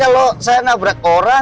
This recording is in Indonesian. kalau saya menempel teman